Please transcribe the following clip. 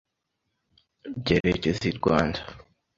Byerekeza i Rwanda